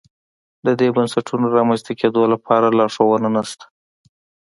د دې بنسټونو رامنځته کېدو لپاره لارښود نه شته.